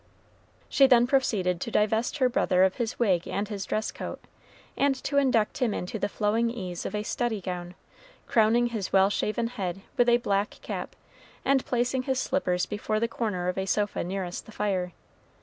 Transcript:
She then proceeded to divest her brother of his wig and his dress coat, and to induct him into the flowing ease of a study gown, crowning his well shaven head with a black cap, and placing his slippers before the corner of a sofa nearest the fire.